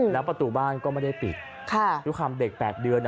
แล้วประตูบ้านก็ไม่ได้ปิดด้วยความเด็ก๘เดือน